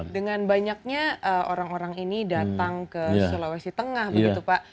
dengan banyaknya orang orang ini datang ke sulawesi tengah begitu pak